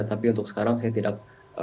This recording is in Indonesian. tapi untuk sekarang saya tidak